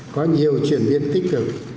có nhiều chuyển biến tích cực